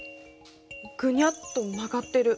ぐにゃっと曲がってる。